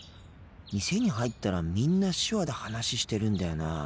店に入ったらみんな手話で話してるんだよな。